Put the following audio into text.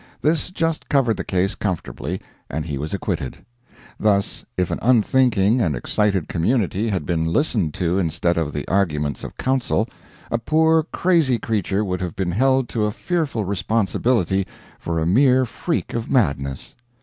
This just covered the case comfortably, and he was acquitted. Thus, if an unthinking and excited community had been listened to instead of the arguments of counsel, a poor crazy creature would have been held to a fearful responsibility for a mere freak of madness.